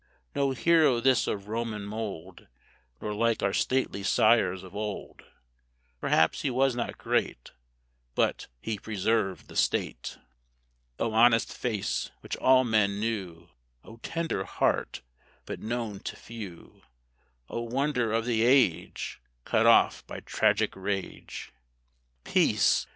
No hero this of Roman mould, Nor like our stately sires of old: Perhaps he was not great, But he preserved the State! O honest face, which all men knew! O tender heart, but known to few! O wonder of the age, Cut off by tragic rage! Peace!